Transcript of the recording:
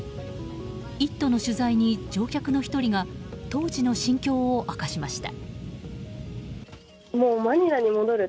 「イット！」の取材に乗客の１人が当時の心境を明かしました。